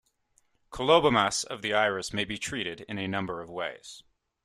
Colobomas of the iris may be treated in a number of ways.